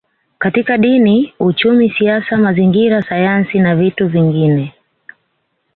Katika Dini Uchumi Siasa Mazingira Sayansi na vitu vingine